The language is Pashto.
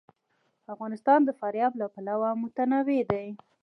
افغانستان د فاریاب له پلوه متنوع دی.